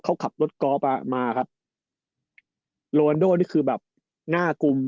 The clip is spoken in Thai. เขาขับรถกอล์ฟอ่ะมาครับโรวันโดนี่คือแบบหน้ากลุ่ม